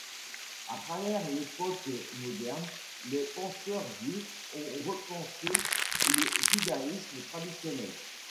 À travers l'Époque moderne, les penseurs juifs ont repensé le judaïsme traditionnel.